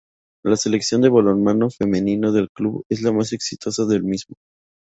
La sección de balonmano femenino del club es la más exitosa del mismo.